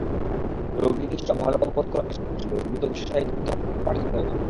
রোগী কিছুটা ভালো বোধ করার সঙ্গে সঙ্গে দ্রুত বিশেষায়িত হাসপাতালে পাঠাতে হবে।